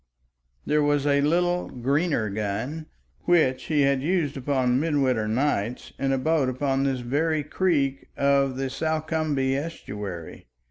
There was a little Greener gun which he had used upon midwinter nights in a boat upon this very creek of the Salcombe estuary.